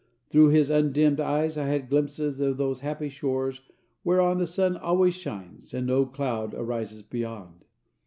Through his undimmed eyes I had glimpses of those happy shores whereon the sun always shines and no cloud arises beyond.